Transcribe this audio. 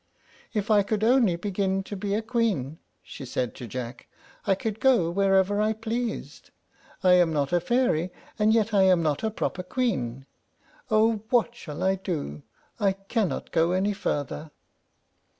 "If I could only begin to be a queen," she said to Jack, "I could go wherever I pleased. I am not a fairy, and yet I am not a proper queen. Oh, what shall I do? I cannot go any farther."